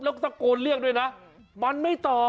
แล้วก็ตะโกนเรียกด้วยนะมันไม่ตอบ